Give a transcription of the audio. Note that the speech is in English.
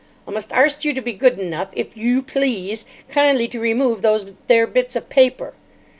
"I must arst you to be good enough, if you please, kindly to remove those there bits of paper."